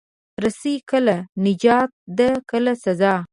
رسۍ کله نجات ده، کله سزا.